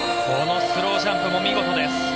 このスロージャンプも見事です。